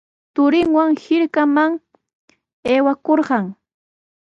Turinwan hirkaman aywakurqan.